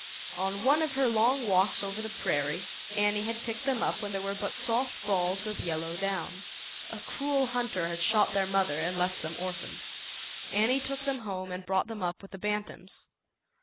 On one of her long walks over the prairie, Annie had picked them up when they were but soft balls of yellow down. A cruel hunter had shot their mother and left them orphaned. Annie took them home T8r 111 and brought them up with the bantams.